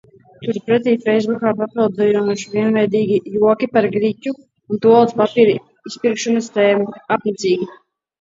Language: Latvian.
Turpretī feisbuku pārpildījuši vienveidīgi joki par griķu un tualetes papīra izpirkšanas tēmu. Apnicīgi.